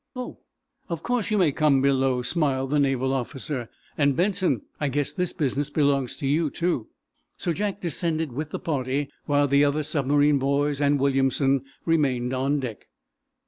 "Oh, of course you may come below," smiled the naval officer. "And, Benson; I guess this business belongs to you, too." So Jack descended with the party, while the other submarine boys and Williamson remained on deck.